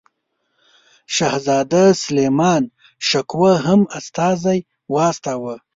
شهزاده سلیمان شکوه هم استازی واستاوه.